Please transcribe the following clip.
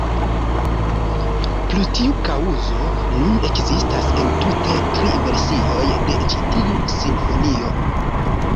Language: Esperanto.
Pro tiu kaŭzo nun ekzistas entute tri versioj de ĉi tiu simfonio.